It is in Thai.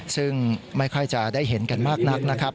ซึ่งไม่ค่อยจะได้เห็นกันมากนักนะครับ